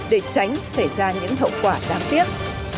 để tránh xảy ra những thậu quả đáng tiếc